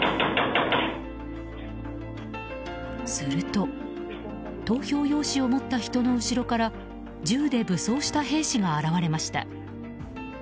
すると投票用紙を持った人の後ろから銃で武装した兵士が現れました。